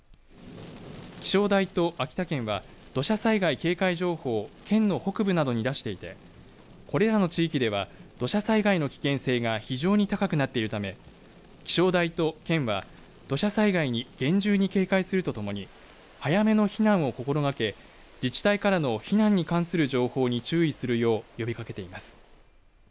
気象台と秋田県は土砂災害警戒情報を県の北部などに出していてこれらの地域では土砂災害の危険性が非常に高くなっているため気象台と県は土砂災害に厳重に警戒するとともに早めの避難を心がけ自治体からの避難に関する情報に注意するよう呼びかけています。